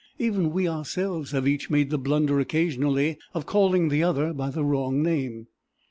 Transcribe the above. Even we ourselves have each made the blunder occasionally of calling the other by the wrong name.